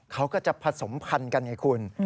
เขาก็จะผสมพันธุ์กันไงคุณ